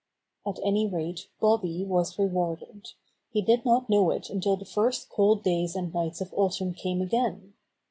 At any rate Bobby was rewarded. He did not know it until the first cold days and nights of autumn came again.